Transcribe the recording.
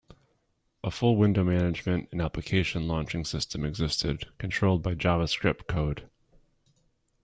A full window management and application launching system existed, controlled by JavaScript code.